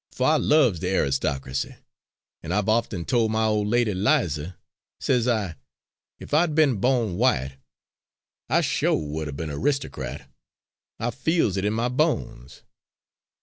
For I loves the aristocracy; an' I've often tol' my ol' lady, 'Liza,' says I, 'ef I'd be'n bawn white I sho' would 'a' be'n a 'ristocrat. I feels it in my bones.'"